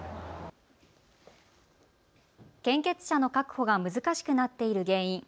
献血者の確保が難しくなっている原因。